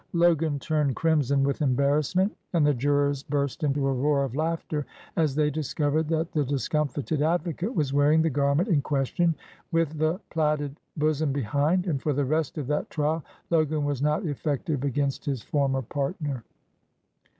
Logan turned crimson with embarrassment, and the jurors burst into a roar of laughter as they discovered that the discomfited advocate was wearing the garment in question with the plaited bosom behind, and for the rest of that trial Logan was not effective against his former partner.